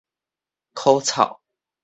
苦草